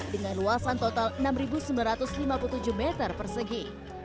dengan luasan total enam sembilan ratus lima puluh tujuh meter persegi